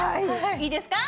いいですか？